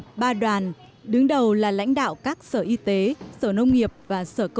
và được phá cổ